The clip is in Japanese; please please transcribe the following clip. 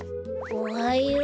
おはよう。